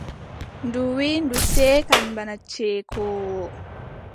Ndu wiʼi ndu seekan bana ceekoowo.